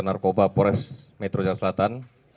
narkoba pores metro jaya selatan